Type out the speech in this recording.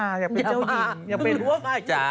อยากเป็นเจ้าหญิงอย่าไปร่วม